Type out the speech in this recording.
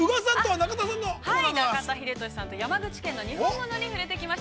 ◆中田英寿さんと山口県のにほんものに触れてきました。